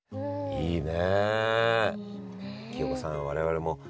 いいね。